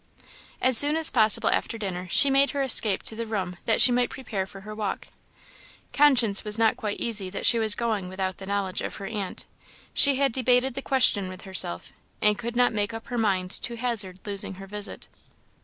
As soon as possible after dinner, she made her escape to her room that she might prepare for her walk. Conscience was not quite easy that she was going without the knowledge of her aunt. She had debated the question with herself, and could not make up her mind to hazard losing her visit.